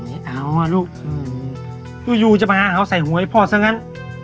อ้าวลูกอืมอยู่อยู่จะมาหาเขาใส่หัวไอ้พ่อซะงั้น